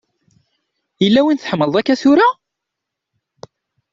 Yella win tḥemmleḍ akka tura?